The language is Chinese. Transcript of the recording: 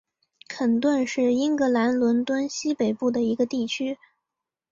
肯顿是英格兰伦敦西北部的一个地区。